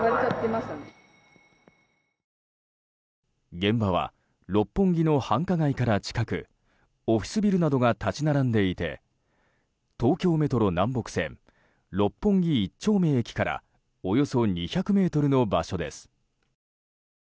現場は六本木の繁華街から近くオフィスビルなどが立ち並んでいて東京メトロ南北線六本木一丁目駅からおよそ２００ｍの場所です。